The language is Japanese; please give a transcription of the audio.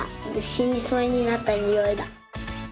しにそうになったにおいだ。